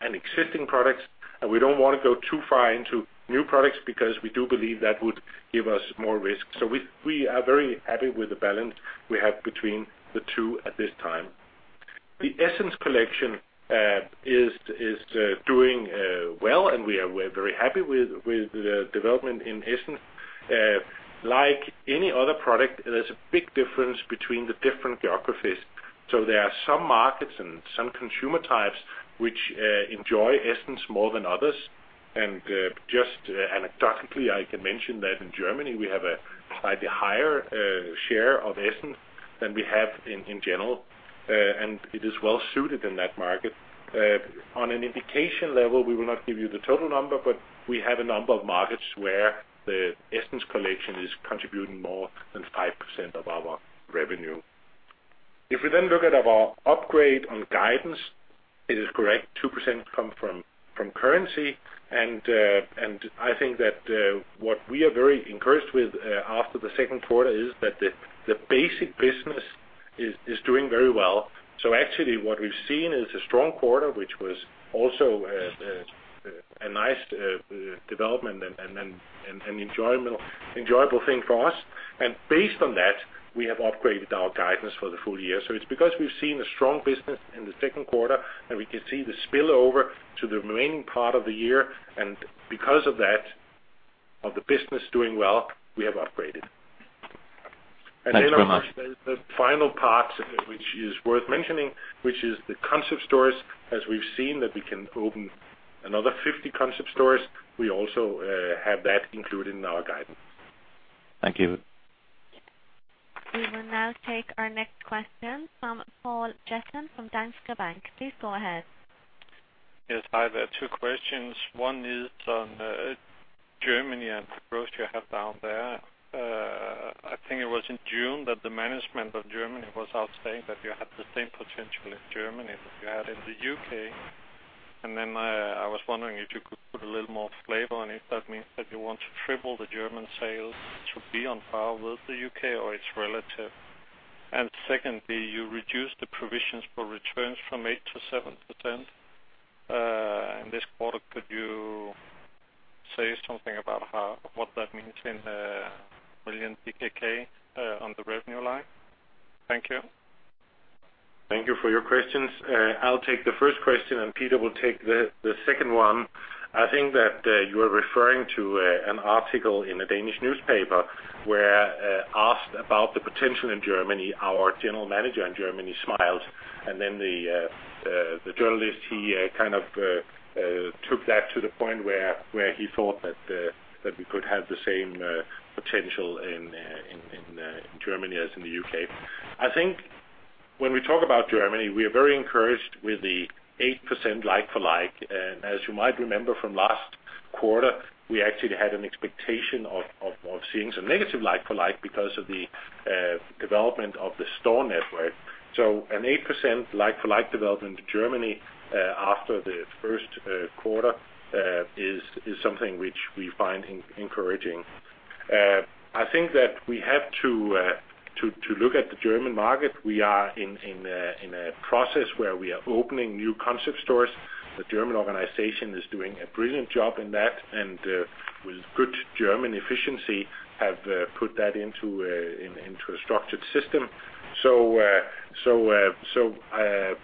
and existing products, and we don't want to go too far into new products, because we do believe that would give us more risk. So we are very happy with the balance we have between the two at this time. The Essence Collection is doing well, and we are very happy with the development in Essence. Like any other product, there's a big difference between the different geographies. So there are some markets and some consumer types which enjoy Essence more than others. And just anecdotally, I can mention that in Germany, we have a slightly higher share of Essence than we have in general, and it is well-suited in that market. On an indication level, we will not give you the total number, but we have a number of markets where the Essence collection is contributing more than 5% of our revenue. If we then look at our upgrade on guidance, it is correct, 2% come from currency, and I think that what we are very encouraged with after the second quarter is that the basic business is doing very well. Actually, what we've seen is a strong quarter, which was also a nice development and an enjoyable thing for us. Based on that, we have upgraded our guidance for the full year. It's because we've seen a strong business in the second quarter, and we can see the spillover to the remaining part of the year, and because of that, the business doing well, we have upgraded. Thanks very much. And then, of course, the final part, which is worth mentioning, which is concept stores, as we've seen, that we can open another concept stores, we also have that included in our guidance. Thank you. We will now take our next question from Poul Jessen from Danske Bank. Please go ahead. Yes, hi, there are two questions. One is on, Germany and the growth you have down there. I think it was in June that the management of Germany was out saying that you had the same potential in Germany that you had in the U.K.. And then, I was wondering if you could put a little more flavor on if that means that you want to triple the German sales to be on par with the U.K. or it's relative? And secondly, you reduced the provisions for returns from 8%-7%, in this quarter. Could you say something about what that means in million DKK, on the revenue line? Thank you. Thank you for your questions. I'll take the first question, and Peter will take the second one. I think that you are referring to an article in a Danish newspaper, where asked about the potential in Germany, our general manager in Germany smiled, and then the journalist, he kind of took that to the point where he thought that we could have the same potential in Germany as in the U.K.. I think when we talk about Germany, we are very encouraged with the 8% like-for-like. And as you might remember from last quarter, we actually had an expectation of seeing some negative like-for-like, because of the development of the store network. So an 8% like-for-like development in Germany after the first quarter is something which we find encouraging. I think that we have to look at the German market. We are in a process where we are opening concept stores. the German organization is doing a brilliant job in that, and with good German efficiency, have put that into a structured system. So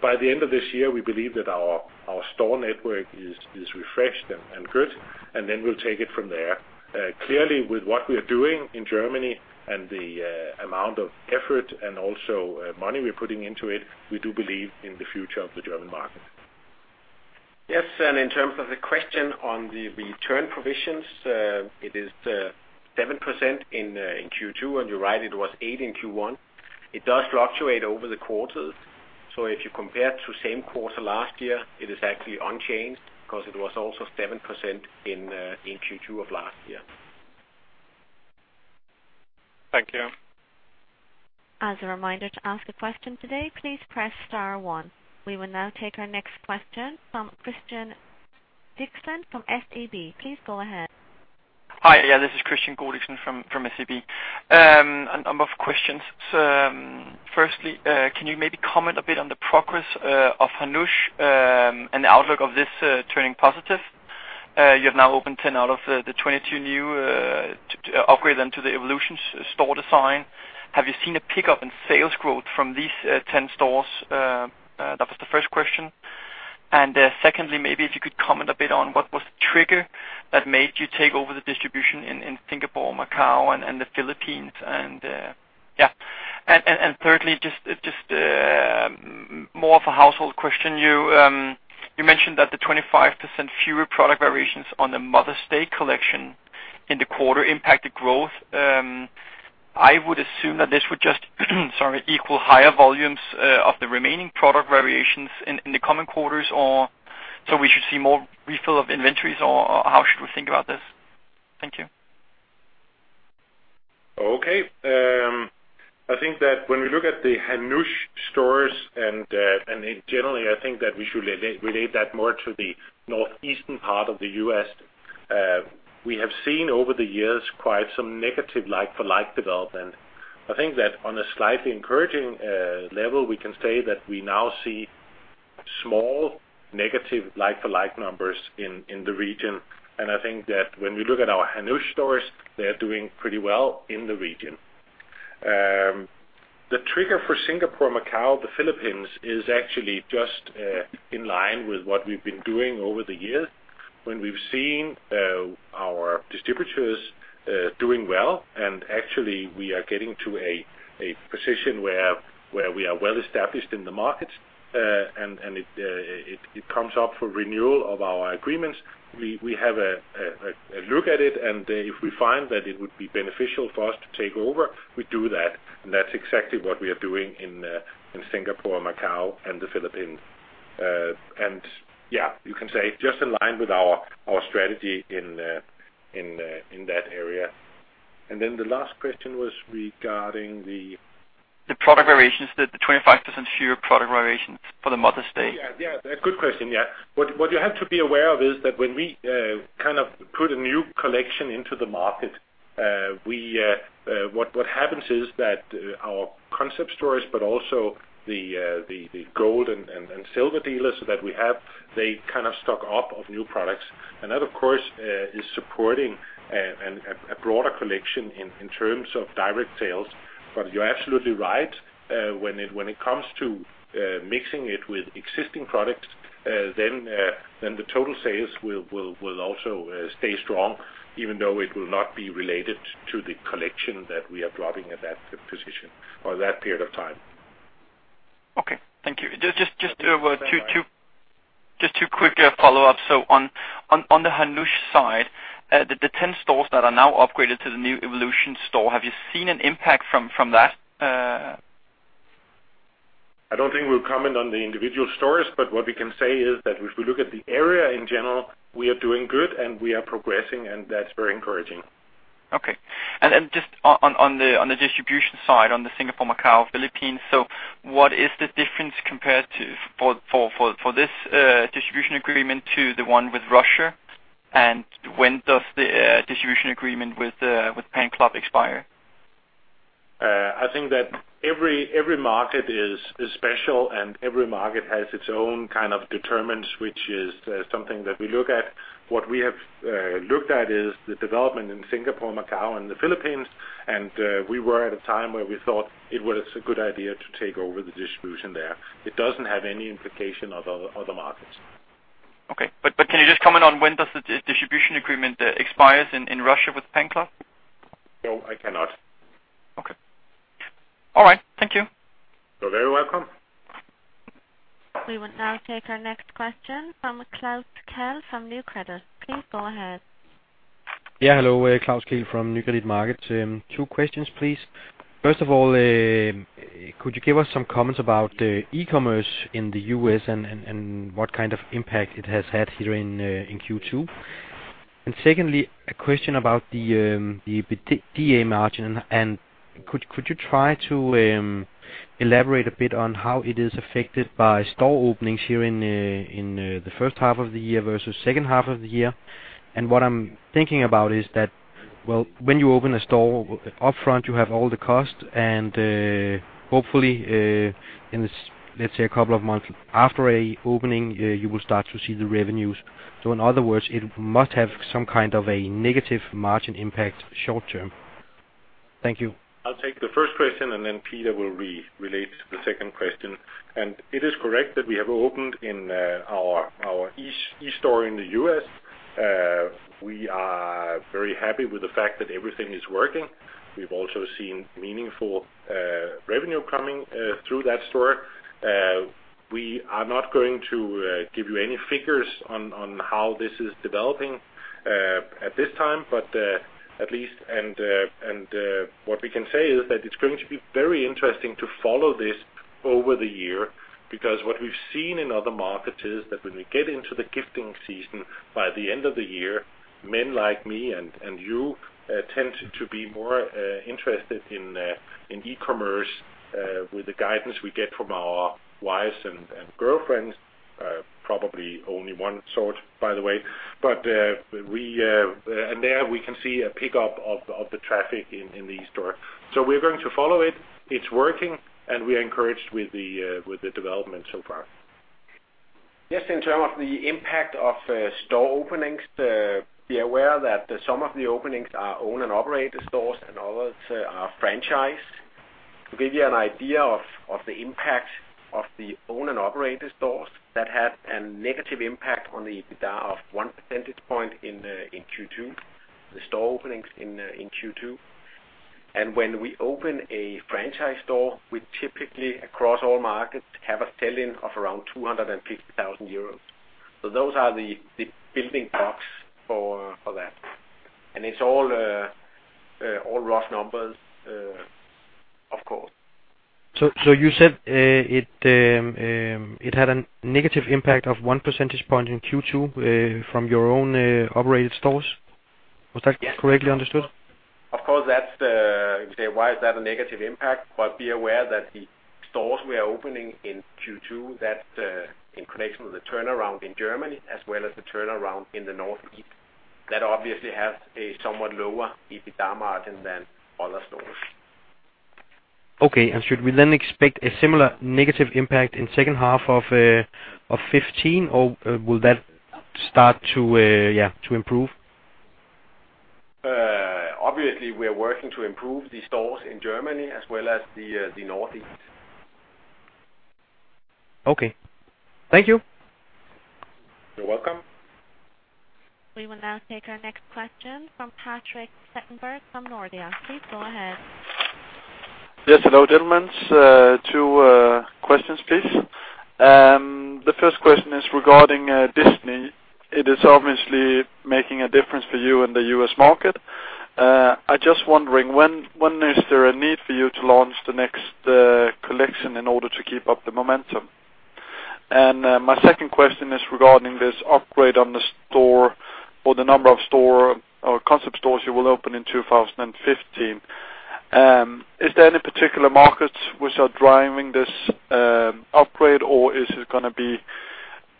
by the end of this year, we believe that our store network is refreshed and good, and then we'll take it from there. Clearly, with what we are doing in Germany and the amount of effort and also money we're putting into it, we do believe in the future of the German market. Yes, and in terms of the question on the return provisions, it is 7% in Q2, and you're right, it was 8% in Q1. It does fluctuate over the quarters, so if you compare to same quarter last year, it is actually unchanged because it was also 7% in Q2 of last year. Thank you. As a reminder to ask a question today, please press star one. We will now take our next question from Kristian Godiksen from SEB. Please go ahead. Hi, yeah, this is Kristian Godiksen from SEB. A number of questions. Firstly, can you maybe comment a bit on the progress of Hannoush and the outlook of this turning positive? You have now opened 10 out of the 22 new upgraded them to the Evolution store design. Have you seen a pickup in sales growth from these 10 stores? That was the first question. Secondly, maybe if you could comment a bit on what was the trigger that made you take over the distribution in Singapore, Macau, and the Philippines. Thirdly, just more of a housekeeping question. You mentioned that the 25% fewer product variations on the Mother's Day collection in the quarter impacted growth. I would assume that this would just, sorry, equal higher volumes of the remaining product variations in the coming quarters, or so we should see more refill of inventories, or how should we think about this? Thank you. Okay, I think that when we look at the Hannoush stores, and generally, I think that we should relate that more to the Northeast part of the U.S. We have seen over the years quite some negative like-for-like development. I think that on a slightly encouraging level, we can say that we now see small negative like-for-like numbers in the region. I think that when we look at our Hannoush stores, they're doing pretty well in the region. The trigger for Singapore, Macau, the Philippines, is actually just in line with what we've been doing over the years... When we've seen our distributors doing well, and actually we are getting to a position where we are well established in the market, and it comes up for renewal of our agreements, we have a look at it, and if we find that it would be beneficial for us to take over, we do that. And that's exactly what we are doing in Singapore, Macau, and the Philippines. And yeah, you can say just in line with our strategy in that area. And then the last question was regarding the- The product variations, 25% fewer product variations for the Mother's Day. Yeah, yeah, good question, yeah. What you have to be aware of is that when we kind of put a new collection into the market, we, what happens is that concept stores, but also the gold dealers and silver dealers that we have, they kind of stock up on new products. And that, of course, is supporting a broader collection in terms of direct sales. But you're absolutely right, when it comes to mixing it with existing products, then the total sales will also stay strong, even though it will not be related to the collection that we are dropping at that position or that period of time. Okay, thank you. Just two- Yeah. Just two quick follow-ups. So on the Hannoush side, the 10 stores that are now upgraded to the new Evolution store, have you seen an impact from that? I don't think we'll comment on the individual stores, but what we can say is that if we look at the area in general, we are doing good, and we are progressing, and that's very encouraging. Okay. And then just on the distribution side, on the Singapore, Macau, Philippines, so what is the difference compared to for this distribution agreement to the one with Russia? And when does the distribution agreement with PanClub expire? I think that every market is special, and every market has its own kind of determinants, which is something that we look at. What we have looked at is the development in Singapore, Macau, and the Philippines, and we were at a time where we thought it was a good idea to take over the distribution there. It doesn't have any implication on other markets. Okay. But, but can you just comment on when does the distribution agreement expires in Russia with PanClub? No, I cannot. Okay. All right, thank you. You're very welcome. We will now take our next question from Klaus Kehl from Nykredit Markets. Please go ahead. Yeah, hello, Klaus Kehl from Nykredit Markets. Two questions, please. First of all, could you give us some comments about e-commerce in the U.S. and what kind of impact it has had here in Q2? And secondly, a question about the EBITDA margin, and could you try to elaborate a bit on how it is affected by store openings here in the first half of the year versus second half of the year? And what I'm thinking about is that, well, when you open a store, upfront, you have all the costs, and hopefully, in this, let's say, a couple of months after an opening, you will start to see the revenues. So in other words, it must have some kind of a negative margin impact short term. Thank you. I'll take the first question, and then Peter will relate to the second question. It is correct that we have opened our e-store in the U.S. We are very happy with the fact that everything is working. We've also seen meaningful revenue coming through that store. We are not going to give you any figures on how this is developing at this time, but at least... What we can say is that it's going to be very interesting to follow this over the year, because what we've seen in other markets is that when we get into the gifting season by the end of the year, men like me and you tend to be more interested in e-commerce with the guidance we get from our wives and girlfriends, probably only one sort, by the way. But there we can see a pickup of the traffic in the e-store. So we're going to follow it. It's working, and we are encouraged with the development so far. Yes, in terms of the impact of store openings, be aware that some of the openings are own and operated stores, and others are franchised. To give you an idea of the impact of the own and operated stores, that had a negative impact on the EBITDA of 1 percentage point in Q2, the store openings in Q2. And when we open a franchise store, we typically, across all markets, have a sell-in of around 250,000 euros. So those are the building blocks for that. And it's all rough numbers, of course. So you said it had a negative impact of 1 percentage point in Q2 from your own operated stores? Was that correctly understood? Yes. Of course, that's the, you say, why is that a negative impact? But be aware that the stores we are opening in Q2, that, in connection with the turnaround in Germany, as well as the turnaround in the Northeast, that obviously has a somewhat lower EBITDA margin than other stores. Okay. And should we then expect a similar negative impact in second half of 2015, or will that start to improve? ... obviously, we are working to improve the stores in Germany as well as the Northeast. Okay. Thank you. You're welcome. We will now take our next question from Patrik Setterberg from Nordea. Please go ahead. Yes, hello, gentlemen. Two questions, please. The first question is regarding Disney. It is obviously making a difference for you in the U.S. market. I just wondering, when, when is there a need for you to launch the next collection in order to keep up the momentum? And my second question is regarding this upgrade on the store or the number of store concept stores you will open in 2015. Is there any particular markets which are driving this upgrade, or is it gonna be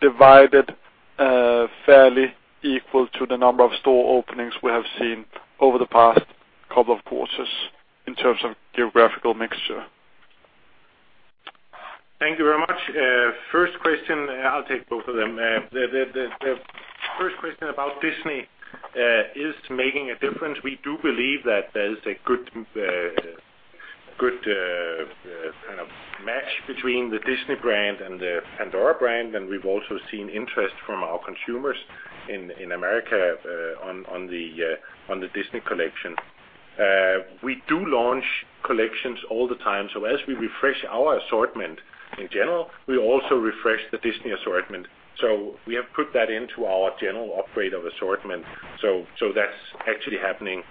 divided fairly equal to the number of store openings we have seen over the past couple of quarters in terms of geographical mixture? Thank you very much. First question, I'll take both of them. The first question about Disney is making a difference. We do believe that there is a good kind of match between the Disney brand and the Pandora brand, and we've also seen interest from our consumers in America on the Disney Collection. We do launch collections all the time, so as we refresh our assortment in general, we also refresh the Disney assortment. So we have put that into our general upgrade of assortment. So that's actually happening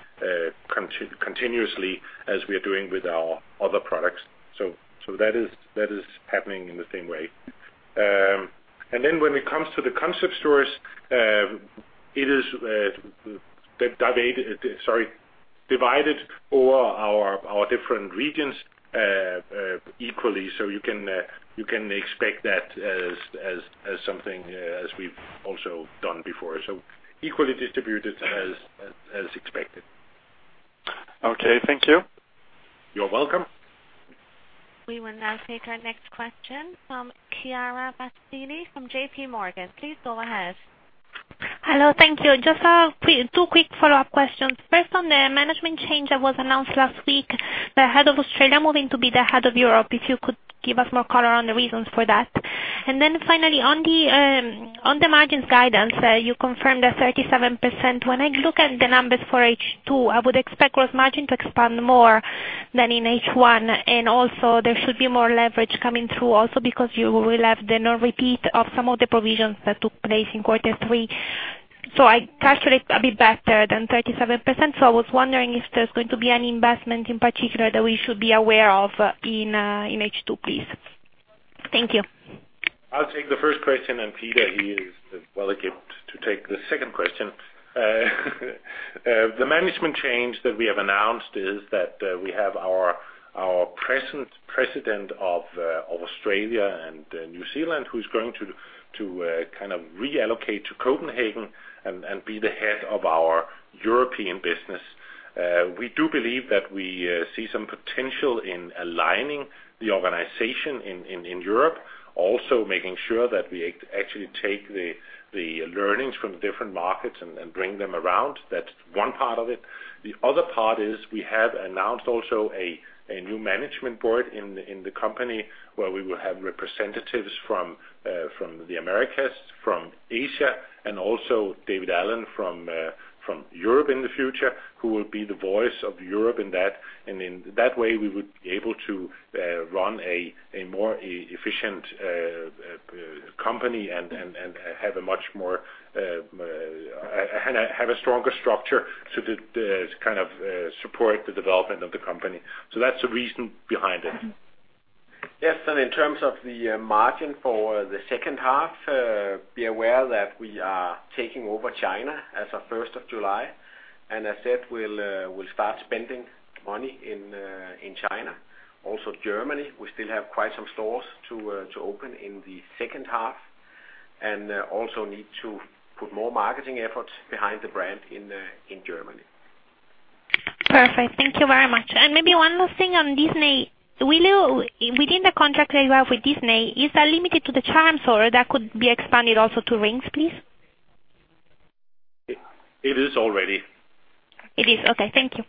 continuously as we are doing with our other products. So that is happening in the same way. And then when it comes to concept stores, it is divided over our different regions equally. So you can expect that as something as we've also done before. So equally distributed as expected. Okay, thank you. You're welcome. We will now take our next question from Chiara Battistini from JPMorgan. Please go ahead. Hello, thank you. Just quick, two quick follow-up questions. First, on the management change that was announced last week, the head of Australia moving to be the head of Europe, if you could give us more color on the reasons for that. And then finally, on the on the margins guidance, you confirmed a 37%. When I look at the numbers for H2, I would expect gross margin to expand more than in H1, and also there should be more leverage coming through also because you will have the no repeat of some of the provisions that took place in quarter three. So I calculate a bit better than 37%, so I was wondering if there's going to be any investment, in particular, that we should be aware of in, in H2, please. Thank you. I'll take the first question, and Peter, he is well equipped to take the second question. The management change that we have announced is that we have our present president of Australia and New Zealand, who's going to kind of reallocate to Copenhagen and be the head of our European business. We do believe that we see some potential in aligning the organization in Europe. Also, making sure that we actually take the learnings from the different markets and bring them around. That's one part of it. The other part is we have announced also a new management board in the company, where we will have representatives from the Americas, from Asia, and also David Allen from Europe in the future, who will be the voice of Europe in that. In that way, we would be able to run a more efficient company and have a much more and a stronger structure to kind of support the development of the company. That's the reason behind it. Yes, and in terms of the margin for the second half, be aware that we are taking over China as of 1st July, and as said, we'll start spending money in China. Also, Germany, we still have quite some stores to open in the second half, and also need to put more marketing efforts behind the brand in Germany. Perfect. Thank you very much. Maybe one last thing on Disney. Will you... Within the contract that you have with Disney, is that limited to the charms, or that could be expanded also to rings, please? It is already. It is. Okay, thank you.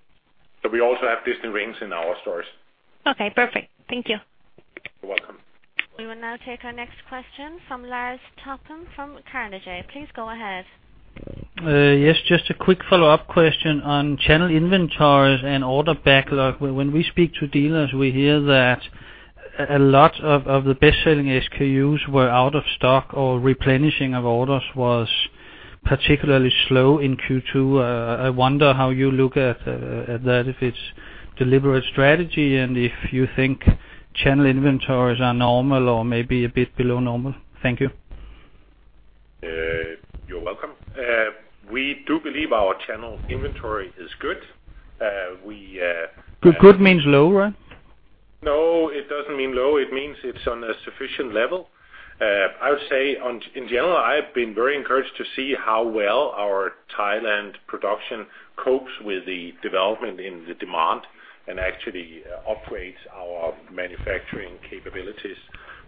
We also have Disney rings in our stores. Okay, perfect. Thank you. You're welcome. We will now take our next question from Lars Topholm from Carnegie. Please go ahead. Yes, just a quick follow-up question on channel inventories and order backlog. When we speak to dealers, we hear that a lot of the best-selling SKUs were out of stock or replenishing of orders was particularly slow in Q2. I wonder how you look at that, if it's deliberate strategy and if you think channel inventories are normal or maybe a bit below normal? Thank you. You're welcome. We do believe our channel inventory is good. Good, good means low, right? No, it doesn't mean low. It means it's on a sufficient level. I would say, in general, I've been very encouraged to see how well our Thailand production copes with the development in the demand and actually upgrades our manufacturing capabilities.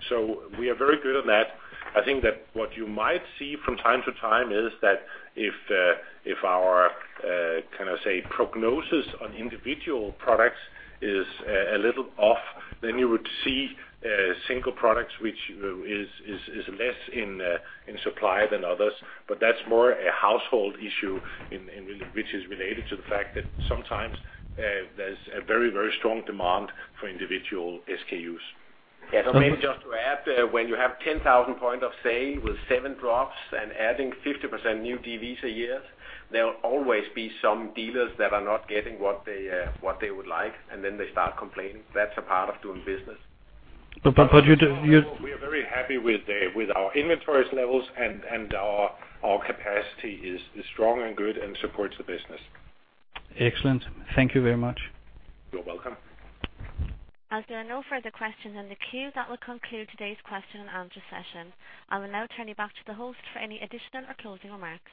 So we are very good on that. I think that what you might see from time to time is that if our can I say, prognosis on individual products is a little off, then you would see single products which is less in supply than others, but that's more a household issue which is related to the fact that sometimes there's a very, very strong demand for individual SKUs. Yeah, so maybe just to add, when you have 10,000 points of sale with seven drops and adding 50% new DVs a year, there will always be some dealers that are not getting what they, what they would like, and then they start complaining. That's a part of doing business. But you- We are very happy with our inventory levels, and our capacity is strong and good and supports the business. Excellent. Thank you very much. You're welcome. As there are no further questions in the queue, that will conclude today's question and answer session. I will now turn you back to the host for any additional or closing remarks.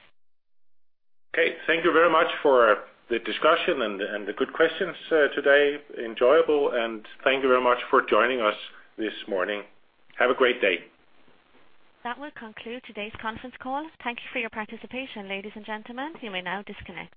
Okay, thank you very much for the discussion and the, and the good questions today. Enjoyable, and thank you very much for joining us this morning. Have a great day. That will conclude today's conference call. Thank you for your participation, ladies and gentlemen. You may now disconnect.